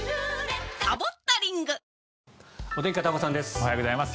おはようございます。